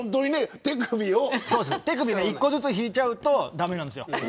手首で１個ずつ弾いちゃうと駄目なんです。